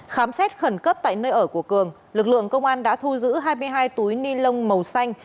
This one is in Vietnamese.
khám xét khẩn cấp tại nơi ở của cường lực lượng công an đã thu giữ hai mươi hai túi ni lông màu xanh